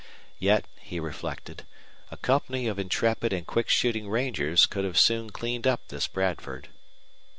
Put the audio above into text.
Yet, he reflected, a company of intrepid and quick shooting rangers could have soon cleaned up this Bradford.